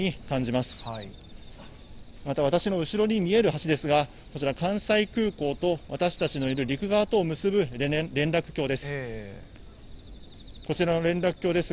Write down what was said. また私の後ろに見える橋ですが、こちら、関西空港と、私たちのいる陸側とを結ぶ連絡橋です。